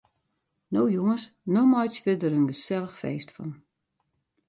No jonges, no meitsje we der in gesellich feest fan.